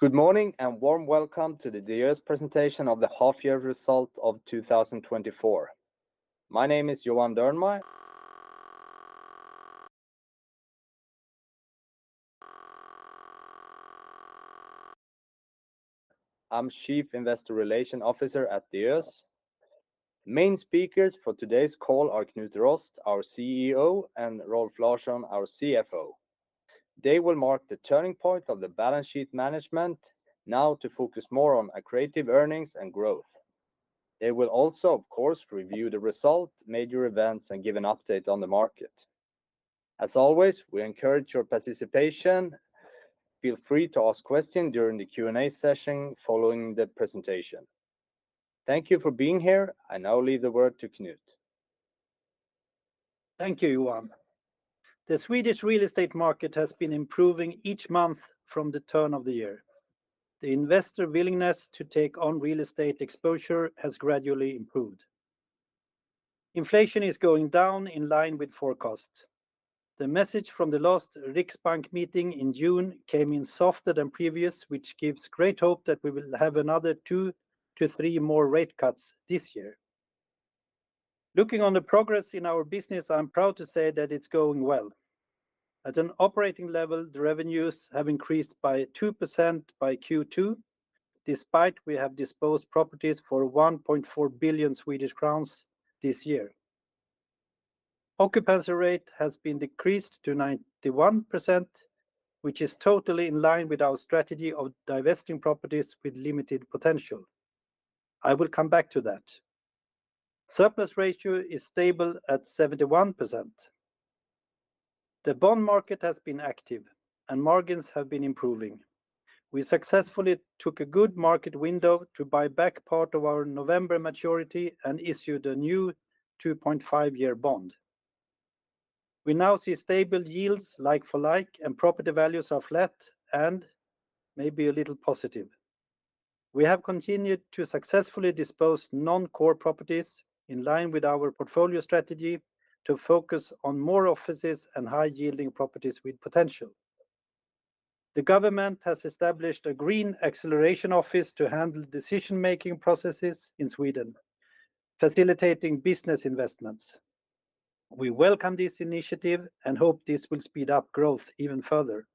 Good morning, and warm welcome to the Diös presentation of the half-year result of 2024. My name is Johan Dernmar. I'm Chief Investor Relations Officer at Diös. Main speakers for today's call are Knut Rost, our CEO, and Rolf Larsson, our CFO. They will mark the turning point of the balance sheet management, now to focus more on accretive earnings and growth. They will also, of course, review the result, major events, and give an update on the market. As always, we encourage your participation. Feel free to ask questions during the Q&A session following the presentation. Thank you for being here. I now leave the word to Knut. Thank you, Johan. The Swedish real estate market has been improving each month from the turn of the year. The investor willingness to take on real estate exposure has gradually improved. Inflation is going down in line with forecast. The message from the last Riksbank meeting in June came in softer than previous, which gives great hope that we will have another 2-3 more rate cuts this year. Looking on the progress in our business, I'm proud to say that it's going well. At an operating level, the revenues have increased by 2% by Q2, despite we have disposed properties for 1.4 billion Swedish crowns this year. Occupancy rate has been decreased to 91%, which is totally in line with our strategy of divesting properties with limited potential. I will come back to that. Surplus ratio is stable at 71%. The bond market has been active, and margins have been improving. We successfully took a good market window to buy back part of our November maturity and issued a new 2.5-year bond. We now see stable yields like-for-like, and property values are flat and maybe a little positive. We have continued to successfully dispose non-core properties in line with our portfolio strategy to focus on more offices and high-yielding properties with potential. The government has established a Green Acceleration Office to handle decision-making processes in Sweden, facilitating business investments. We welcome this initiative and hope this will speed up growth even further.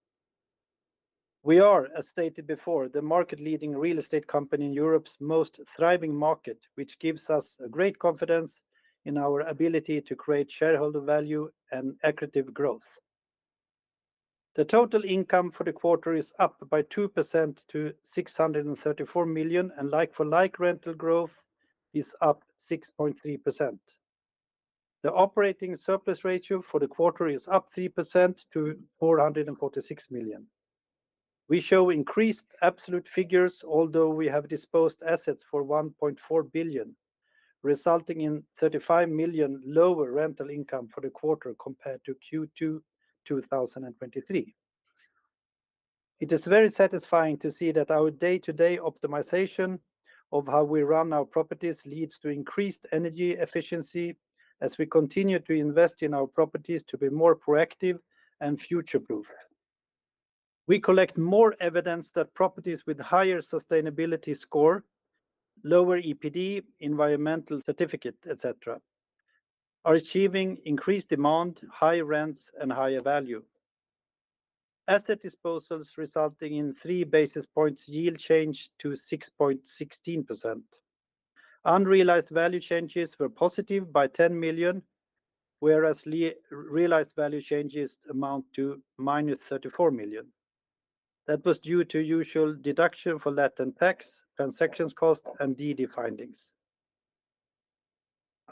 We are, as stated before, the market-leading real estate company in Europe's most thriving market, which gives us a great confidence in our ability to create shareholder value and accretive growth. The total income for the quarter is up by 2% to 634 million, and like-for-like rental growth is up 6.3%. The operating surplus ratio for the quarter is up 3% to 446 million. We show increased absolute figures, although we have disposed assets for 1.4 billion, resulting in 35 million lower rental income for the quarter compared to Q2 2023. It is very satisfying to see that our day-to-day optimization of how we run our properties leads to increased energy efficiency as we continue to invest in our properties to be more proactive and future-proof. We collect more evidence that properties with higher sustainability score, lower EPD, environmental certificate, et cetera, are achieving increased demand, higher rents, and higher value. Asset disposals resulting in three basis points yield change to 6.16%. Unrealized value changes were positive by 10 million, whereas realized value changes amount to -34 million. That was due to usual deduction for latent tax, transaction costs, and DD findings.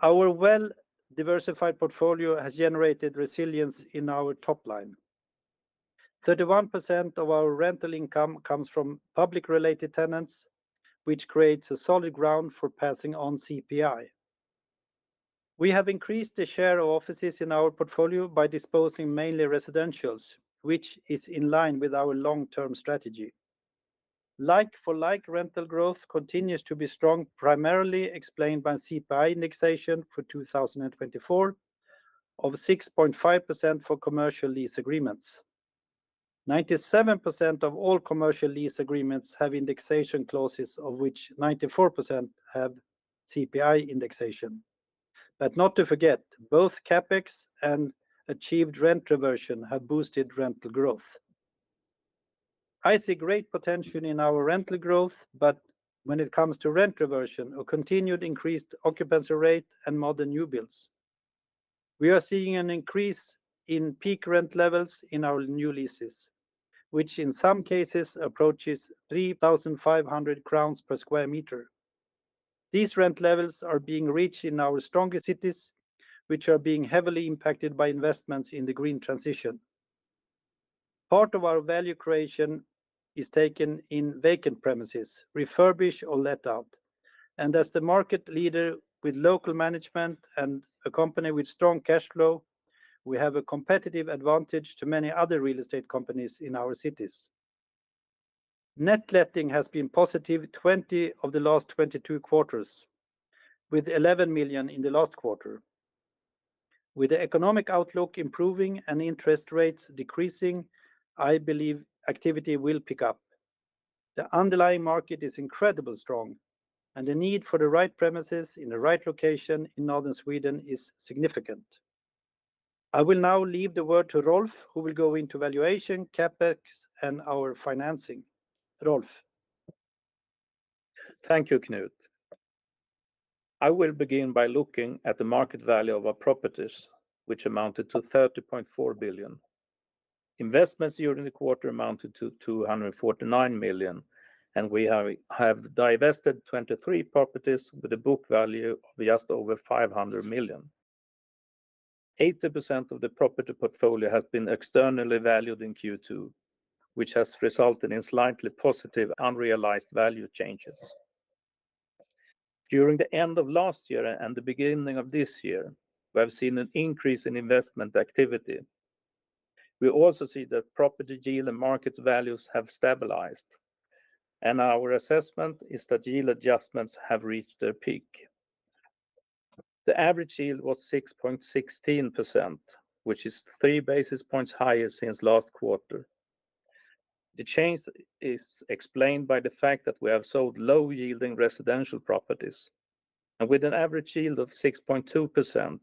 Our well-diversified portfolio has generated resilience in our top line. 31% of our rental income comes from public-related tenants, which creates a solid ground for passing on CPI. We have increased the share of offices in our portfolio by disposing mainly residentials, which is in line with our long-term strategy. Like-for-like rental growth continues to be strong, primarily explained by CPI indexation for 2024 of 6.5% for commercial lease agreements. 97% of all commercial lease agreements have indexation clauses, of which 94% have CPI indexation. But not to forget, both CapEx and achieved rent reversion have boosted rental growth. I see great potential in our rental growth, but when it comes to rent reversion or continued increased occupancy rate and more the new builds. We are seeing an increase in peak rent levels in our new leases, which in some cases approaches 3,500 crowns per square meter. These rent levels are being reached in our strongest cities, which are being heavily impacted by investments in the green transition. Part of our value creation is taken in vacant premises, refurbish or let out. As the market leader with local management and a company with strong cash flow, we have a competitive advantage to many other real estate companies in our cities. Net letting has been positive 20 of the last 22 quarters, with 11 million in the last quarter. With the economic outlook improving and interest rates decreasing, I believe activity will pick up. The underlying market is incredibly strong, and the need for the right premises in the right location in Northern Sweden is significant. I will now leave the word to Rolf, who will go into valuation, CapEx, and our financing. Rolf? Thank you, Knut. I will begin by looking at the market value of our properties, which amounted to 30.4 billion. Investments during the quarter amounted to 249 million, and we have divested 23 properties with a book value of just over 500 million. 80% of the property portfolio has been externally valued in Q2, which has resulted in slightly positive unrealized value changes. During the end of last year and the beginning of this year, we have seen an increase in investment activity. We also see that property deal and market values have stabilized, and our assessment is that yield adjustments have reached their peak. The average yield was 6.16%, which is 3 basis points higher since last quarter. The change is explained by the fact that we have sold low-yielding residential properties, and with an average yield of 6.2%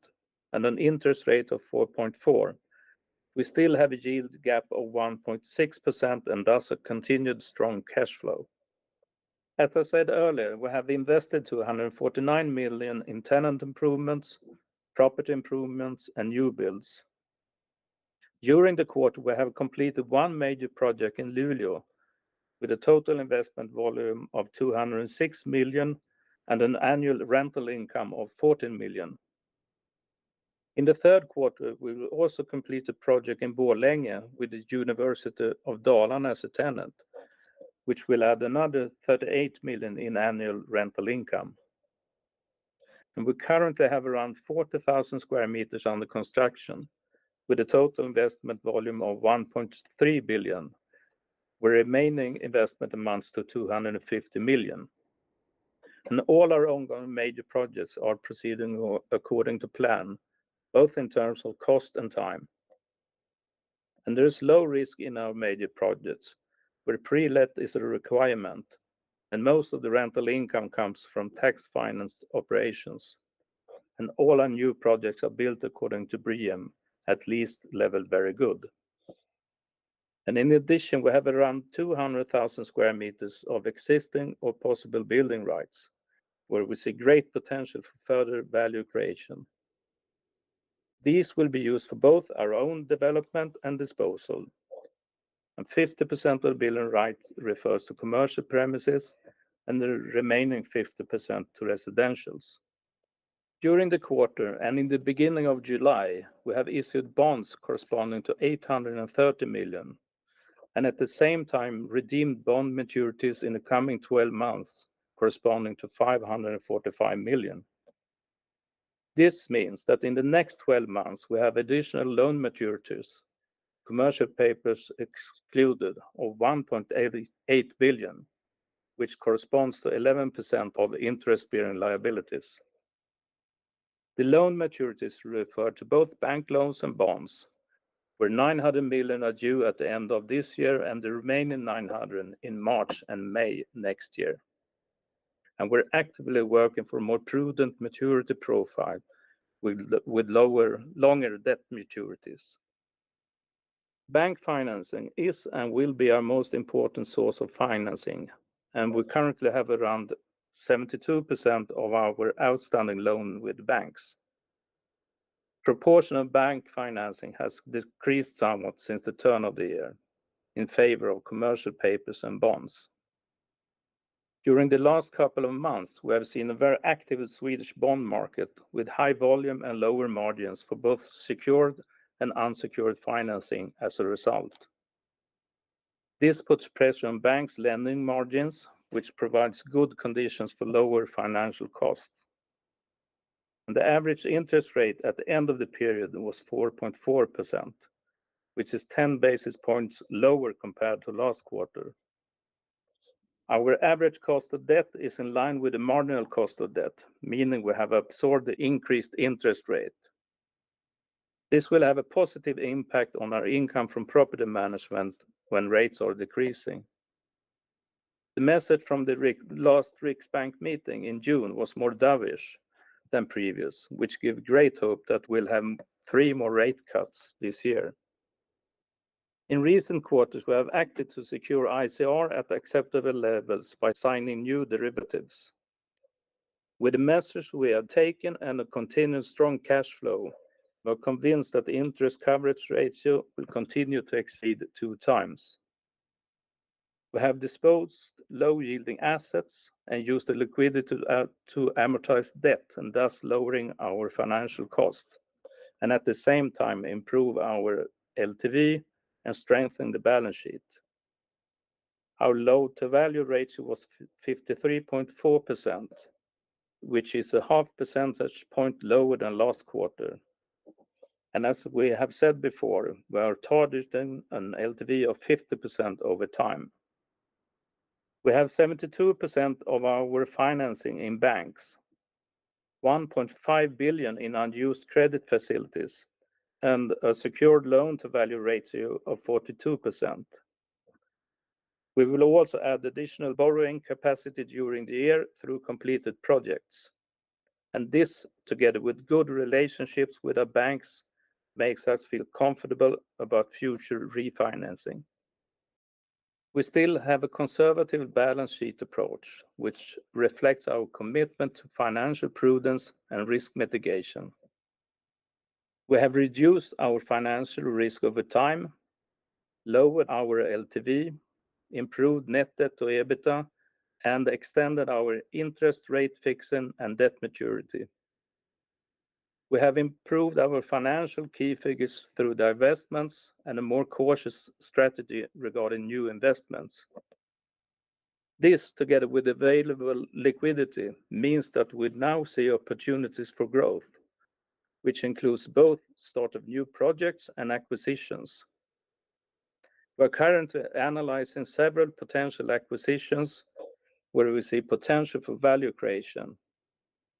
and an interest rate of 4.4%, we still have a yield gap of 1.6% and thus a continued strong cash flow. As I said earlier, we have invested 249 million in tenant improvements, property improvements, and new builds. During the quarter, we have completed one major project in Luleå, with a total investment volume of 206 million and an annual rental income of 14 million. In the third quarter, we will also complete a project in Borlänge with the University of Dalarna as a tenant, which will add another 38 million in annual rental income. We currently have around 40,000 square meters under construction, with a total investment volume of 1.3 billion, where remaining investment amounts to 250 million. All our ongoing major projects are proceeding according to plan, both in terms of cost and time. There is low risk in our major projects, where pre-let is a requirement and most of the rental income comes from tax-financed operations. All our new projects are built according to BREEAM, at least level very good. In addition, we have around 200,000 square meters of existing or possible building rights, where we see great potential for further value creation. These will be used for both our own development and disposal, and 50% of the building rights refers to commercial premises and the remaining 50% to residential. During the quarter and in the beginning of July, we have issued bonds corresponding to 830 million, and at the same time redeemed bond maturities in the coming twelve months, corresponding to 545 million. This means that in the next twelve months, we have additional loan maturities, commercial papers excluded, of 1.88 billion, which corresponds to 11% of interest-bearing liabilities. The loan maturities refer to both bank loans and bonds, where 900 million are due at the end of this year and the remaining 900 million in March and May next year. We're actively working for a more prudent maturity profile with lower, longer debt maturities. Bank financing is and will be our most important source of financing, and we currently have around 72% of our outstanding loan with banks. Proportion of bank financing has decreased somewhat since the turn of the year in favor of commercial papers and bonds. During the last couple of months, we have seen a very active Swedish bond market with high volume and lower margins for both secured and unsecured financing as a result. This puts pressure on banks' lending margins, which provides good conditions for lower financial costs. The average interest rate at the end of the period was 4.4%, which is 10 basis points lower compared to last quarter. Our average cost of debt is in line with the marginal cost of debt, meaning we have absorbed the increased interest rate. This will have a positive impact on our income from property management when rates are decreasing. The message from the last Riksbank meeting in June was more dovish than previous, which give great hope that we'll have three more rate cuts this year. In recent quarters, we have acted to secure ICR at acceptable levels by signing new derivatives. With the measures we have taken and a continued strong cash flow, we are convinced that the interest coverage ratio will continue to exceed two times. We have disposed low-yielding assets and used the liquidity to amortize debt and thus lowering our financial cost and, at the same time, improve our LTV and strengthen the balance sheet. Our loan-to-value ratio was 53.4%, which is a half percentage point lower than last quarter. And as we have said before, we are targeting an LTV of 50% over time. We have 72% of our refinancing in banks, 1.5 billion in unused credit facilities, and a secured loan-to-value ratio of 42%. We will also add additional borrowing capacity during the year through completed projects, and this, together with good relationships with our banks, makes us feel comfortable about future refinancing. We still have a conservative balance sheet approach, which reflects our commitment to financial prudence and risk mitigation. We have reduced our financial risk over time, lowered our LTV, improved net debt to EBITDA, and extended our interest rate fixing and debt maturity. We have improved our financial key figures through the investments and a more cautious strategy regarding new investments. This, together with available liquidity, means that we now see opportunities for growth, which includes both start of new projects and acquisitions. We're currently analyzing several potential acquisitions where we see potential for value creation,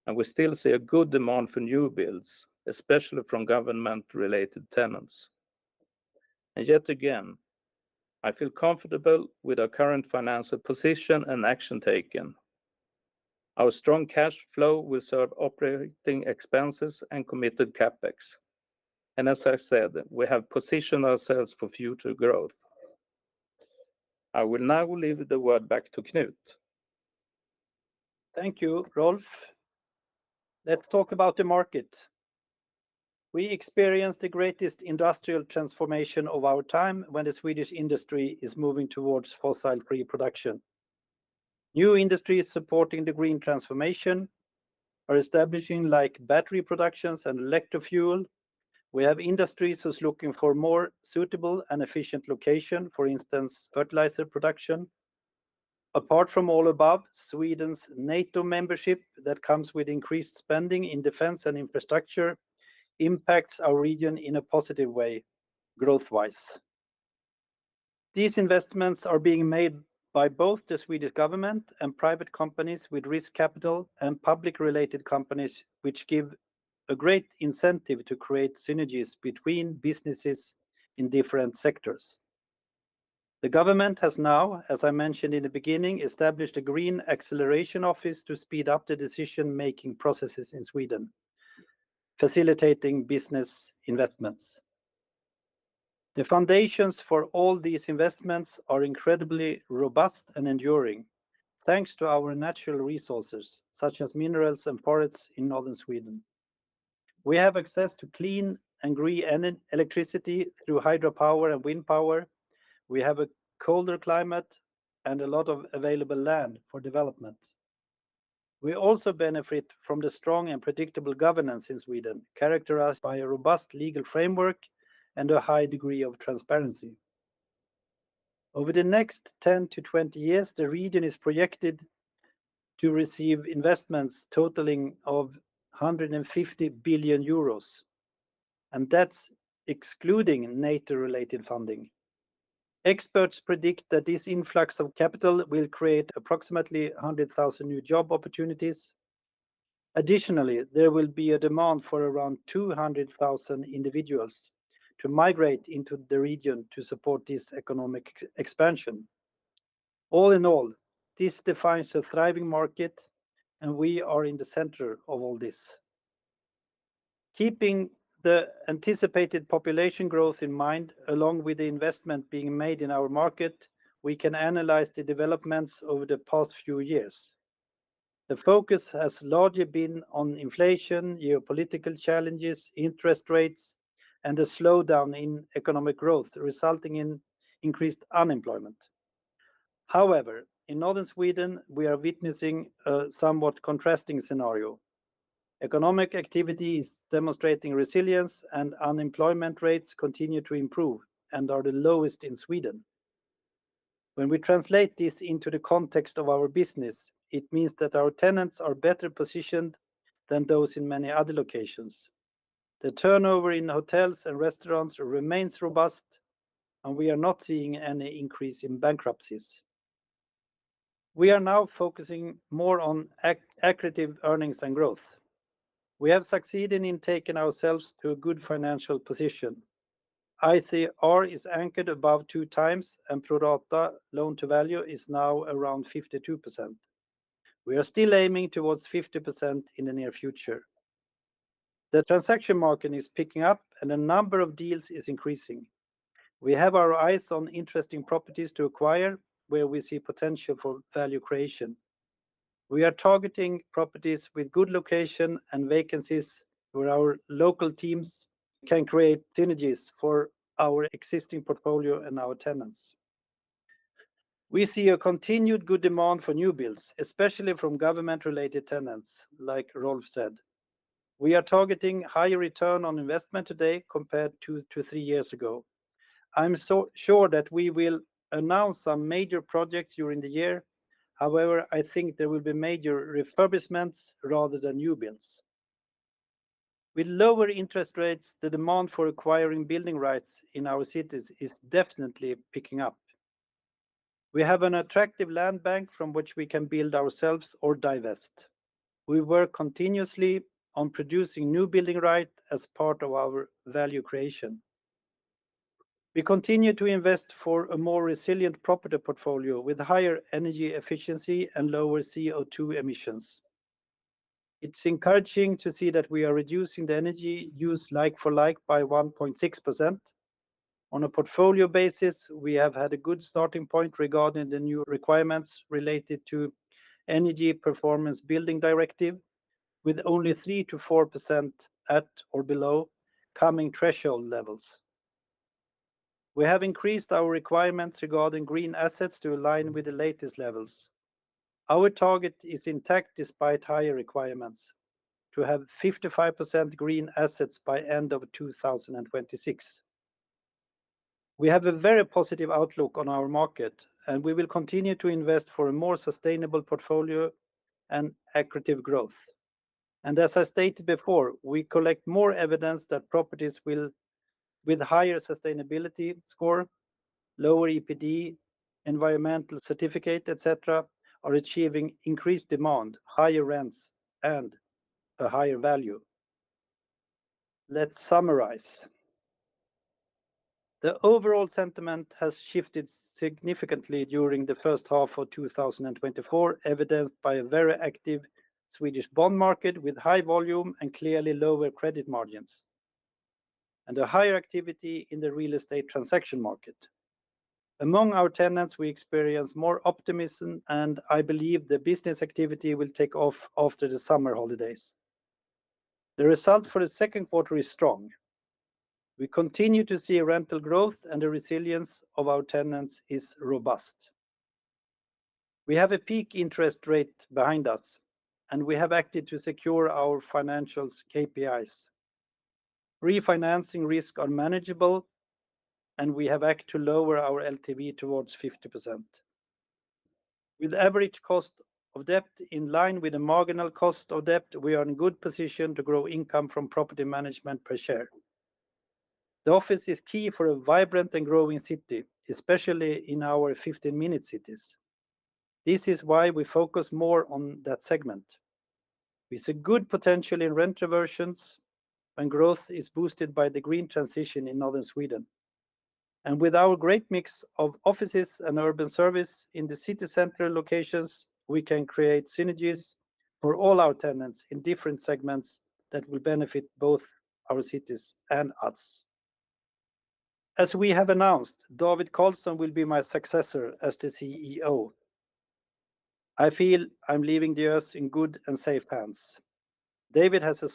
and we still see a good demand for new builds, especially from government-related tenants. And yet again, I feel comfortable with our current financial position and action taken. Our strong cash flow will serve operating expenses and committed CapEx, and as I said, we have positioned ourselves for future growth. I will now leave the word back to Knut. Thank you, Rolf. Let's talk about the market. We experienced the greatest industrial transformation of our time when the Swedish industry is moving towards fossil-free production. New industries supporting the green transformation are establishing, like battery productions and electro fuel. We have industries who's looking for more suitable and efficient location, for instance, fertilizer production. Apart from all above, Sweden's NATO membership that comes with increased spending in defense and infrastructure impacts our region in a positive way, growth-wise. These investments are being made by both the Swedish government and private companies with risk capital and public-related companies, which give a great incentive to create synergies between businesses in different sectors. The government has now, as I mentioned in the beginning, established a Green Acceleration office to speed up the decision-making processes in Sweden, facilitating business investments. The foundations for all these investments are incredibly robust and enduring, thanks to our natural resources, such as minerals and forests in northern Sweden. We have access to clean and green electricity through hydropower and wind power. We have a colder climate and a lot of available land for development. We also benefit from the strong and predictable governance in Sweden, characterized by a robust legal framework and a high degree of transparency. Over the next 10 to 20 years, the region is projected to receive investments totaling a 150 billion EUR, and that's excluding NATO-related funding. Experts predict that this influx of capital will create approximately 100,000 new job opportunities. Additionally, there will be a demand for around 200,000 individuals to migrate into the region to support this economic expansion. All in all, this defines a thriving market, and we are in the center of all this. Keeping the anticipated population growth in mind, along with the investment being made in our market, we can analyze the developments over the past few years. The focus has largely been on inflation, geopolitical challenges, interest rates, and a slowdown in economic growth, resulting in increased unemployment. However, in Northern Sweden, we are witnessing a somewhat contrasting scenario. Economic activity is demonstrating resilience, and unemployment rates continue to improve and are the lowest in Sweden. When we translate this into the context of our business, it means that our tenants are better positioned than those in many other locations. The turnover in hotels and restaurants remains robust, and we are not seeing any increase in bankruptcies. We are now focusing more on accretive earnings and growth. We have succeeded in taking ourselves to a good financial position. ICR is anchored above 2 times, and pro rata loan-to-value is now around 52%. We are still aiming towards 50% in the near future. The transaction market is picking up, and the number of deals is increasing. We have our eyes on interesting properties to acquire, where we see potential for value creation. We are targeting properties with good location and vacancies, where our local teams can create synergies for our existing portfolio and our tenants. We see a continued good demand for new builds, especially from government-related tenants, like Rolf said. We are targeting higher return on investment today compared to 2, 3 years ago. I'm so sure that we will announce some major projects during the year. However, I think there will be major refurbishments rather than new builds. With lower interest rates, the demand for acquiring building rights in our cities is definitely picking up. We have an attractive land bank from which we can build ourselves or divest. We work continuously on producing new building right as part of our value creation. We continue to invest for a more resilient property portfolio with higher energy efficiency and lower CO₂ emissions. It's encouraging to see that we are reducing the energy used like for like by 1.6%. On a portfolio basis, we have had a good starting point regarding the new requirements related to Energy Performance of Buildings Directive, with only 3%-4% at or below coming threshold levels. We have increased our requirements regarding green assets to align with the latest levels. Our target is intact, despite higher requirements, to have 55% green assets by end of 2026. We have a very positive outlook on our market, and we will continue to invest for a more sustainable portfolio and accretive growth. As I stated before, we collect more evidence that properties will, with higher sustainability score, lower EPD, environmental certificate, et cetera, are achieving increased demand, higher rents, and a higher value. Let's summarize. The overall sentiment has shifted significantly during the first half of 2024, evidenced by a very active Swedish bond market with high volume and clearly lower credit margins, and a higher activity in the real estate transaction market. Among our tenants, we experience more optimism, and I believe the business activity will take off after the summer holidays. The result for the second quarter is strong. We continue to see rental growth, and the resilience of our tenants is robust. We have a peak interest rate behind us, and we have acted to secure our financials' KPIs. Refinancing risk are manageable, and we have acted to lower our LTV towards 50%. With average cost of debt in line with the marginal cost of debt, we are in good position to grow income from property management per share. The office is key for a vibrant and growing city, especially in our 15-minute cities. This is why we focus more on that segment. We see good potential in rent reversions, and growth is boosted by the green transition in Northern Sweden. And with our great mix of offices and urban service in the city center locations, we can create synergies for all our tenants in different segments that will benefit both our cities and us. As we have announced, David Carlsson will be my successor as the CEO. I feel I'm leaving Diös in good and safe hands. David has a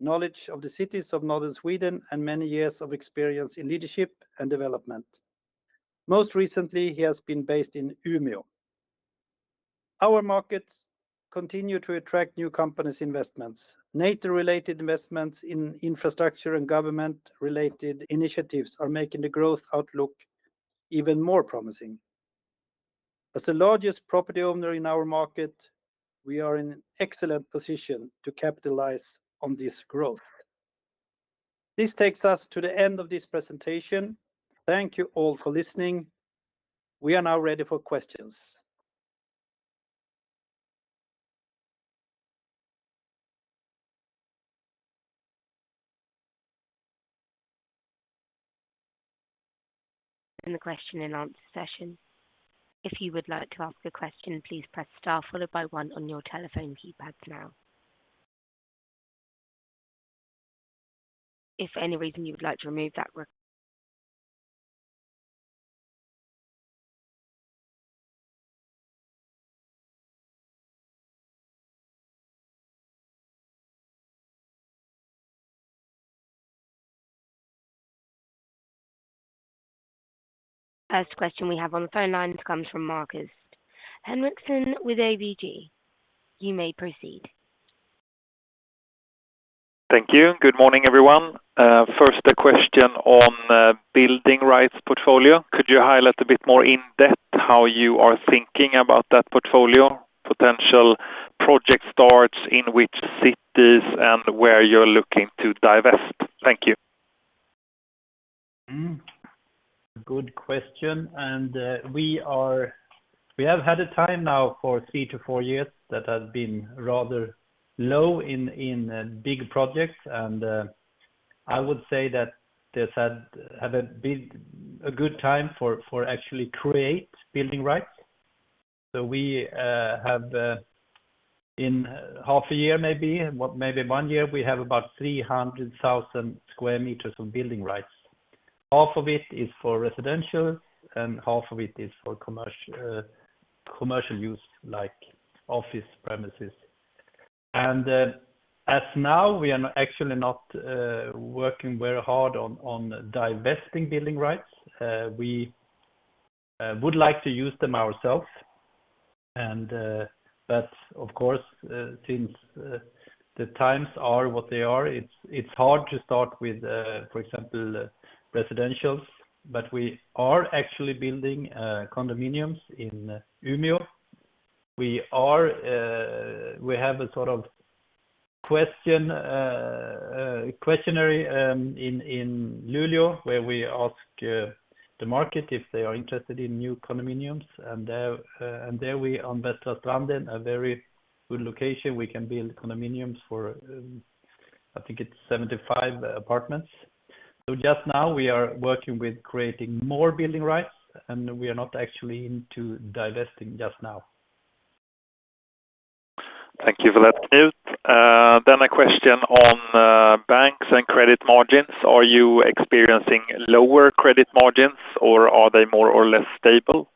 solid knowledge of the cities of Northern Sweden and many years of experience in leadership and development. Most recently, he has been based in Umeå. Our markets continue to attract new companies' investments. NATO-related investments in infrastructure and government-related initiatives are making the growth outlook even more promising. As the largest property owner in our market, we are in an excellent position to capitalize on this growth. This takes us to the end of this presentation. Thank you all for listening. We are now ready for questions. In the question and answer session. If you would like to ask a question, please press star followed by one on your telephone keypad now. If for any reason you would like to remove that re- First question we have on the phone lines comes from Marcus Henriksson with ABG. You may proceed. Thank you. Good morning, everyone. First, a question on building rights portfolio. Could you highlight a bit more in-depth how you are thinking about that portfolio, potential project starts, in which cities, and where you're looking to divest? Thank you. Mm-hmm. Good question, and we have had a time now for 3-4 years that has been rather low in big projects, and I would say that this has had a good time for actually create building rights. So we have in half a year, maybe 1 year, we have about 300,000 square meters of building rights. Half of it is for residential, and half of it is for commercial commercial use, like office premises. And as now, we are actually not working very hard on divesting building rights. We would like to use them ourselves, and but of course, since the times are what they are, it's hard to start with, for example, residential. But we are actually building condominiums in Umeå. ... We are, we have a sort of questionnaire in Luleå, where we ask the market if they are interested in new condominiums. And there we on Västra Stranden, a very good location. We can build condominiums for, I think it's 75 apartments. So just now we are working with creating more building rights, and we are not actually into divesting just now. Thank you for that, Knut. Then a question on banks and credit margins. Are you experiencing lower credit margins, or are they more or less stable?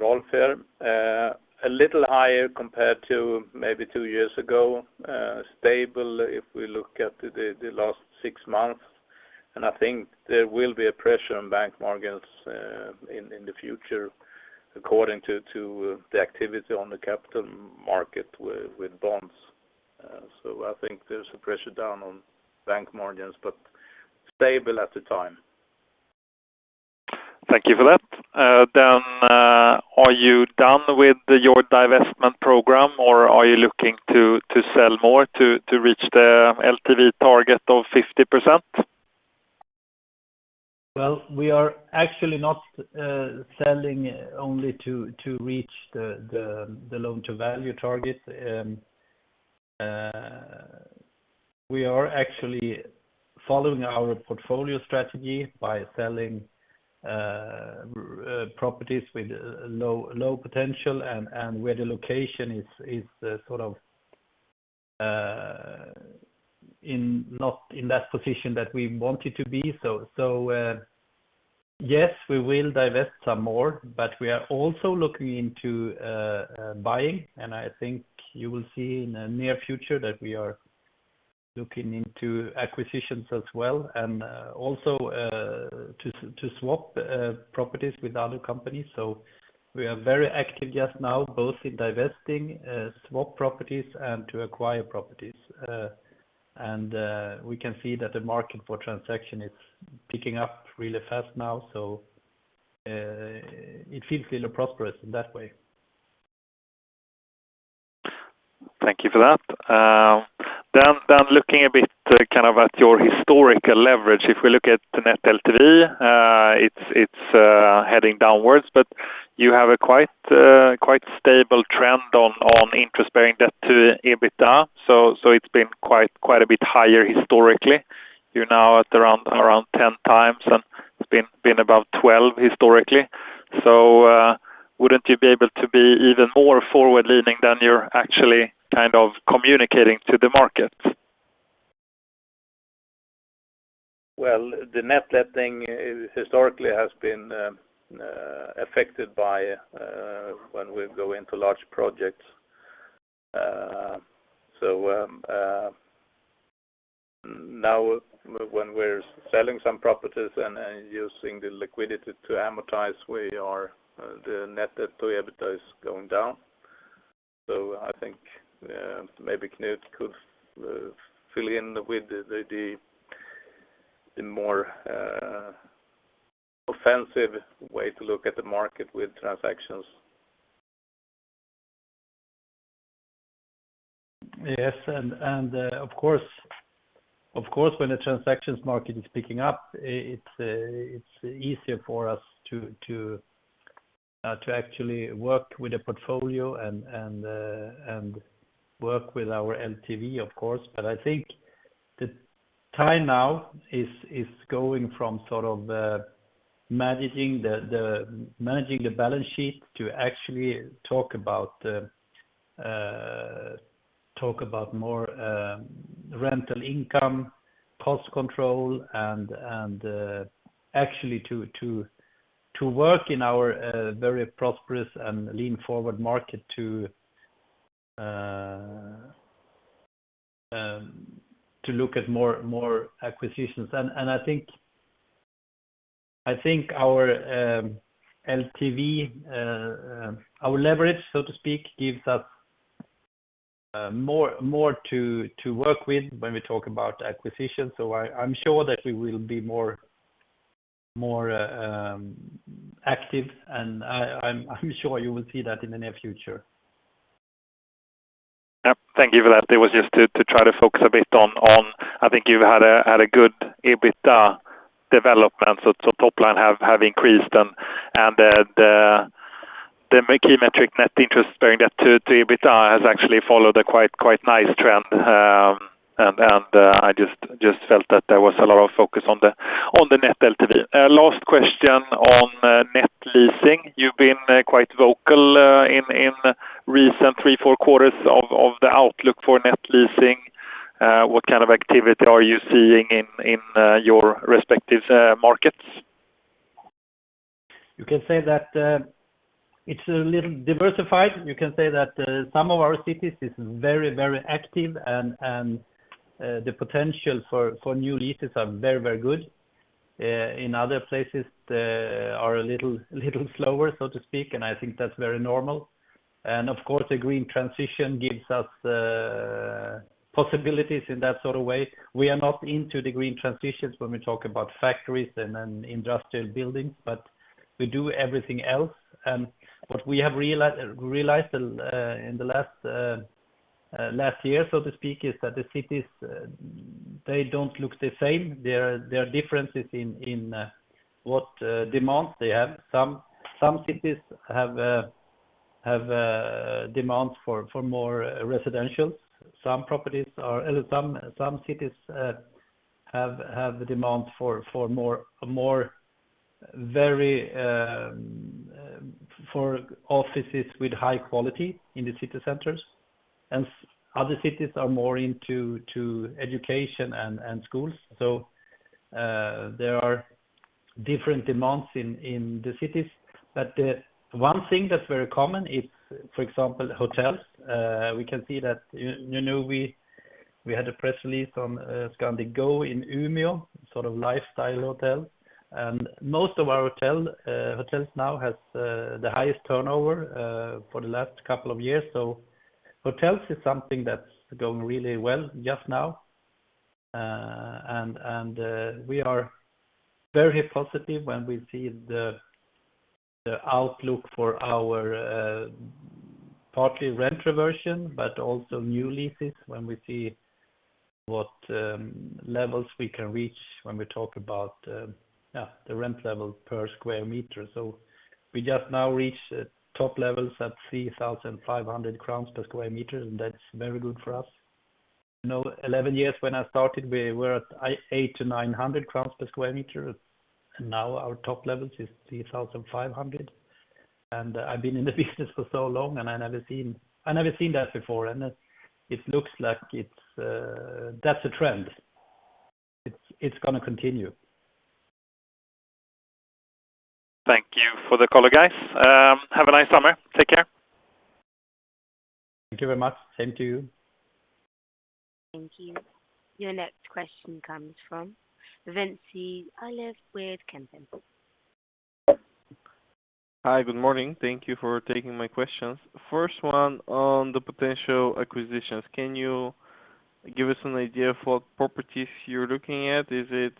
Rolf here. A little higher compared to maybe two years ago. Stable, if we look at the last six months, and I think there will be a pressure on bank margins in the future, according to the activity on the capital market with bonds. So I think there's a pressure down on bank margins, but stable at the time. Thank you for that. Then, are you done with your divestment program, or are you looking to sell more to reach the LTV target of 50%? Well, we are actually not selling only to reach the loan-to-value target. We are actually following our portfolio strategy by selling properties with low potential and where the location is sort of not in that position that we want it to be. So, yes, we will divest some more, but we are also looking into buying, and I think you will see in the near future that we are looking into acquisitions as well, and also to swap properties with other companies. So we are very active just now, both in divesting, swap properties and to acquire properties. And we can see that the market for transaction is picking up really fast now, so it feels really prosperous in that way. Thank you for that. Then looking a bit, kind of at your historical leverage, if we look at the net LTV, it's heading downwards, but you have a quite, quite stable trend on interest-bearing debt to EBITDA, so it's been quite, quite a bit higher historically. You're now at around 10x, and it's been about 12x historically. So, wouldn't you be able to be even more forward-leaning than you're actually kind of communicating to the market? Well, the net letting historically has been affected by when we go into large projects. So now when we're selling some properties and using the liquidity to amortize, we are, the net debt to EBITDA is going down. So I think maybe Knut could fill in with the more offensive way to look at the market with transactions. Yes, and of course, when the transactions market is picking up, it's easier for us to actually work with the portfolio and work with our LTV, of course. But I think the time now is going from sort of managing the balance sheet to actually talk about more rental income, cost control, and actually to work in our very prosperous and lean forward market to look at more acquisitions. And I think our LTV, our leverage, so to speak, gives us more to work with when we talk about acquisitions. I'm sure that we will be more active, and I'm sure you will see that in the near future. Yep. Thank you for that. It was just to try to focus a bit on I think you've had a good EBITDA development, so top line have increased and the key metric net interest bearing debt to EBITDA has actually followed a quite nice trend. And I just felt that there was a lot of focus on the net LTV. Last question on net letting. You've been quite vocal in recent three, four quarters of the outlook for net letting. What kind of activity are you seeing in your respective markets? You can say that, it's a little diversified. You can say that, some of our cities is very, very active, and the potential for new leases are very, very good. In other places are a little slower, so to speak, and I think that's very normal. And of course, the green transition gives us possibilities in that sort of way. We are not into the green transitions when we talk about factories and industrial buildings, but we do everything else. What we have realized in the last year, so to speak, is that the cities, they don't look the same. There are differences in what demand they have. Some cities have a demand for more residentials. Some cities have the demand for more offices with high quality in the city centers, and other cities are more into education and schools. So there are different demands in the cities, but one thing that's very common is, for example, hotels. We can see that, you know, we had a press release on Scandic Go in Umeå, sort of lifestyle hotel. And most of our hotels now has the highest turnover for the last couple of years. So hotels is something that's going really well just now. We are very positive when we see the outlook for our partly rent reversion, but also new leases, when we see what levels we can reach when we talk about the rent level per square meter. So we just now reached top levels at 3,500 crowns per square meter, and that's very good for us. You know, 11 years when I started, we were at 800-900 crowns per square meter, and now our top level is 3,500. And I've been in the business for so long, and I never seen that before, and it looks like it's. That's a trend. It's gonna continue. Thank you for the call, guys. Have a nice summer. Take care. Thank you very much. Same to you. Thank you. Your next question comes from Vency Alif with Kempen. Hi, good morning. Thank you for taking my questions. First one on the potential acquisitions. Can you give us an idea of what properties you're looking at? Is it,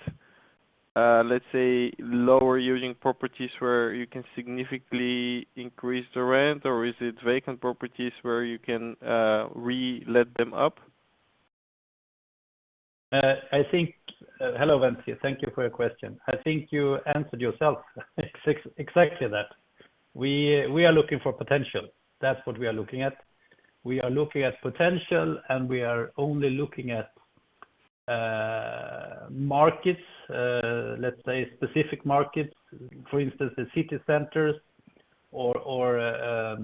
let's say, lower-yielding properties where you can significantly increase the rent, or is it vacant properties where you can, re-let them up? Hello, Vency. Thank you for your question. I think you answered yourself, exactly that. We are looking for potential. That's what we are looking at. We are looking at potential, and we are only looking at markets, let's say specific markets, for instance, the city centers or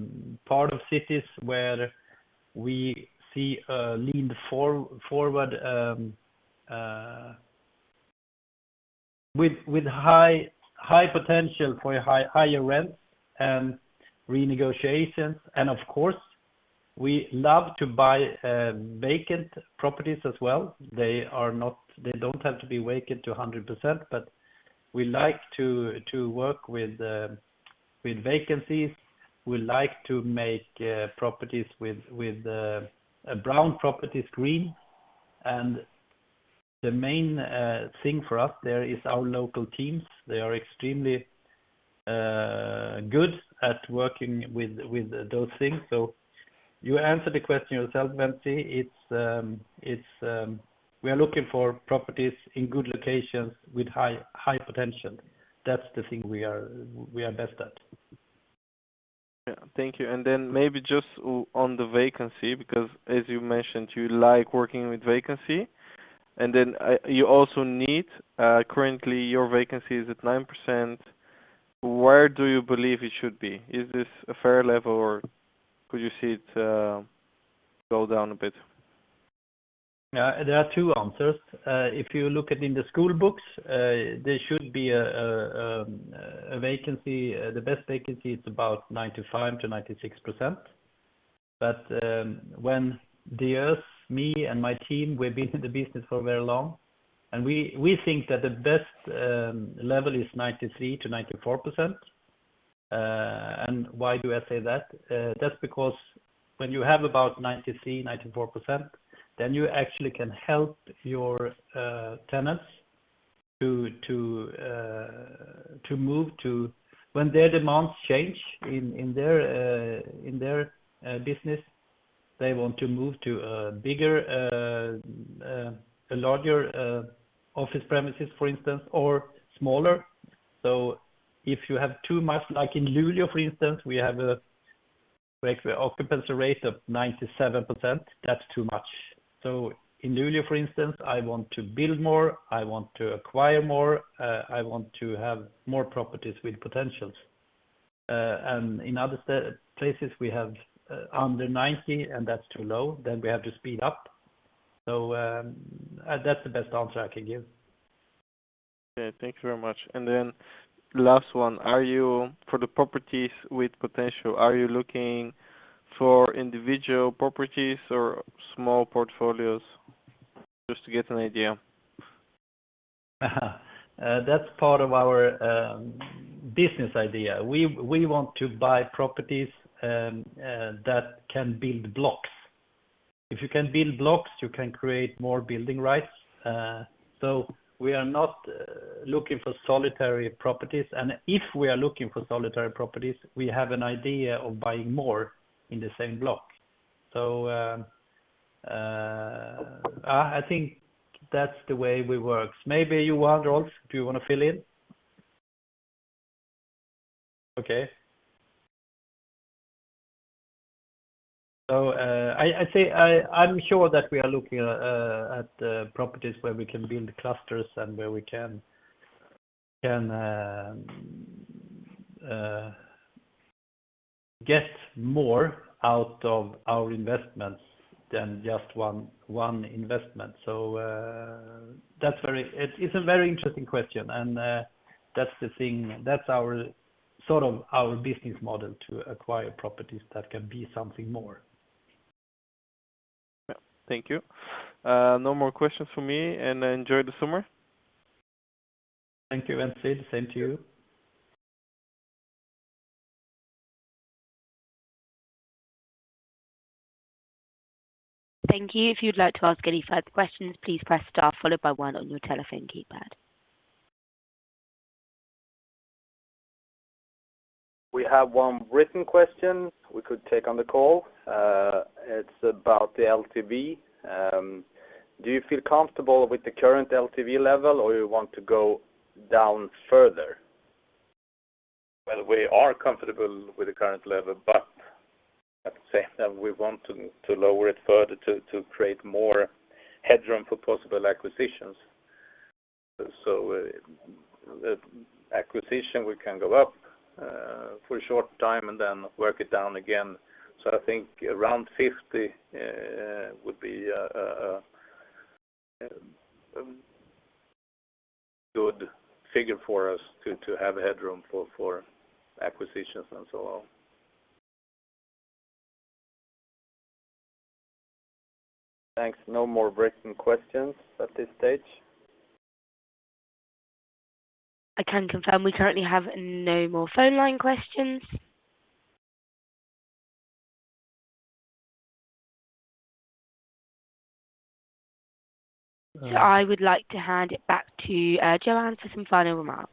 part of cities where we see a lean for-forward with high potential for higher rent and renegotiations. And of course, we love to buy vacant properties as well. They don't have to be vacant to 100%, but we like to work with vacancies. We like to make properties with a brown properties green. And the main thing for us there is our local teams. They are extremely good at working with those things. So you answered the question yourself, Vency. It's we are looking for properties in good locations with high, high potential. That's the thing we are, we are best at. Yeah. Thank you. Then maybe just on the vacancy, because as you mentioned, you like working with vacancy, and then you also need, currently, your vacancy is at 9%. Where do you believe it should be? Is this a fair level, or could you see it go down a bit? There are two answers. If you look at in the school books, there should be a vacancy. The best vacancy is about 95%-96%. But when us, me and my team, we've been in the business for very long, and we think that the best level is 93%-94%. And why do I say that? That's because when you have about 93%-94%, then you actually can help your tenants to move to... When their demands change in their business, they want to move to a bigger, a larger office premises, for instance, or smaller. So if you have too much, like in Luleå, for instance, we have a like occupancy rate of 97%. That's too much. So in Luleå, for instance, I want to build more, I want to acquire more, I want to have more properties with potentials. And in other places, we have under ninety, and that's too low, then we have to speed up. So, that's the best answer I can give. Yeah. Thank you very much. And then last one. For the properties with potential, are you looking for individual properties or small portfolios? Just to get an idea. That's part of our business idea. We want to buy properties that can build blocks. If you can build blocks, you can create more building rights. So we are not looking for solitary properties, and if we are looking for solitary properties, we have an idea of buying more in the same block. So I think that's the way we work. Maybe Johan, Rolf, do you wanna fill in? Okay. So I think I'm sure that we are looking at properties where we can build clusters and where we can get more out of our investments than just one investment. So that's very... It's a very interesting question, and that's the thing. That's our, sort of our business model to acquire properties that can be something more. Yeah. Thank you. No more questions for me, and enjoy the summer. Thank you, Vency. The same to you. Thank you. If you'd like to ask any further questions, please press star followed by one on your telephone keypad. We have one written question we could take on the call. It's about the LTV. Do you feel comfortable with the current LTV level, or you want to go down further? Well, we are comfortable with the current level, but at the same time, we want to lower it further to create more headroom for possible acquisitions. So, acquisition, we can go up for a short time and then work it down again. So I think around 50 would be a good figure for us to have headroom for acquisitions and so on. Thanks. No more written questions at this stage. I can confirm we currently have no more phone line questions. So I would like to hand it back to Johan for some final remarks.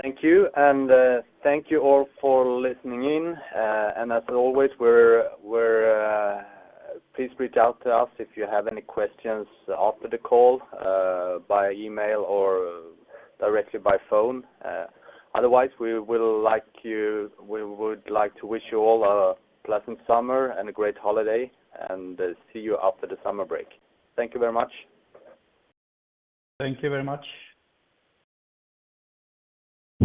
Thank you, and thank you all for listening in, and as always, we're, please reach out to us if you have any questions after the call, by email or directly by phone. Otherwise, we will like you... We would like to wish you all a pleasant summer and a great holiday, and see you after the summer break. Thank you very much. Thank you very much.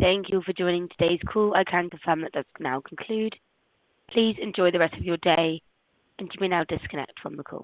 Thank you for joining today's call. I can confirm that does now conclude. Please enjoy the rest of your day, and you may now disconnect from the call.